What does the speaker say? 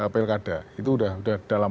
pek lkd itu sudah dalam